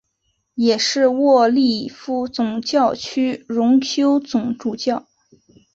也是利沃夫总教区荣休总主教。